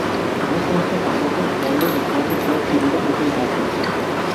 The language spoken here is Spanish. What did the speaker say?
No consta tampoco donde ni cuándo fue adquirida esta imagen.